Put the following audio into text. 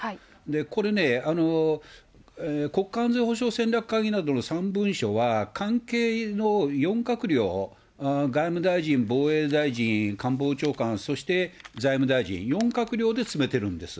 これね、国家安全保障戦略会議などの３文書は、関係の４閣僚、外務大臣、防衛大臣、官房長官、そして財務大臣、４閣僚で詰めているんですよ。